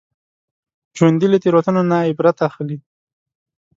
ژوندي له تېروتنو نه عبرت اخلي